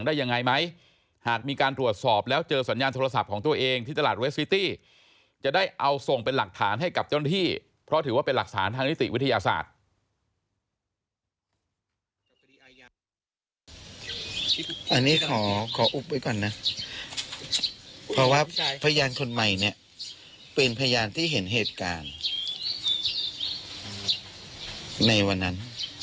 อันนี้ขออุ๊บไว้ก่อนนะเพราะว่าพยานคนใหม่เนี่ยเป็นพยานที่เห็นเหตุการณ์ในวันนั้น